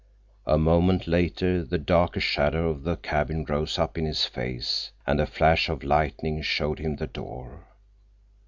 A moment later the darker shadow of the cabin rose up in his face, and a flash of lightning showed him the door.